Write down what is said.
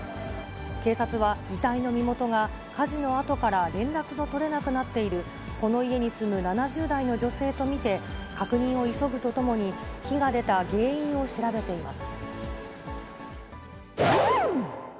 警察は、遺体の身元が火事のあとから連絡の取れなくなっているこの家に住む７０代の女性と見て、確認を急ぐとともに、火が出た原因を調べています。